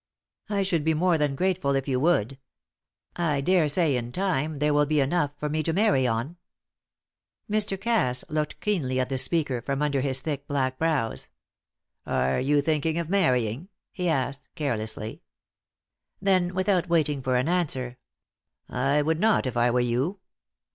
"I should be more than grateful if you would. I daresay, in time, there will be enough for me to marry on." Mr. Cass looked keenly at the speaker from under his thick black brows. "Are you thinking of marrying?" he asked, carelessly. Then, without waiting for an answer: "I would not if I were you."